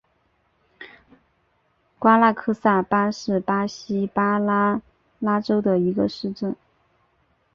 瓜拉克萨巴是巴西巴拉那州的一个市镇。